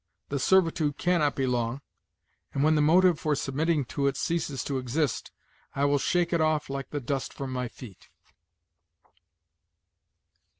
The servitude cannot be long; and, when the motive for submitting to it ceases to exist, I will shake it off like the dust from my feet."